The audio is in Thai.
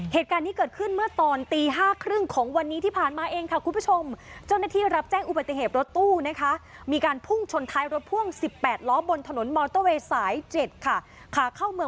เหตุการณ์นี้เกิดขึ้นเมื่อตอนตี๕๓๐ของวันนี้ที่ผ่านมาเองค่ะคุณผู้ชม